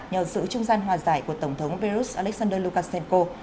nhờ sự trung gian hòa giải của tổng thống belarus alexander lukashenko